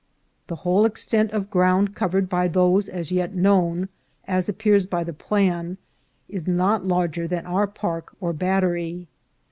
The whole extent of ground cov ered by those as yet known, as appears by the plan, is not larger than our Park or Battery.